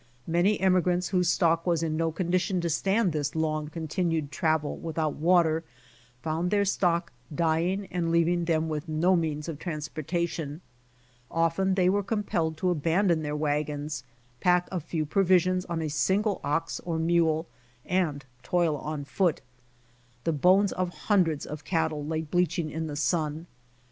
Many emigrants whose stock was in no con dition to stand this long continued travel without water, found their stock dying and leaving them with no means of transportation. Often they were com pelled to abandon their wagons, pack a few provi sions on a single ox or mule, and toil on afoot. The bones of hundreds of cattle lay bleaching in the sun.